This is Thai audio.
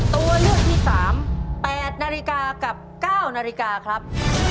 ตัวเลือกที่๓๘นาฬิกากับ๙นาฬิกาครับ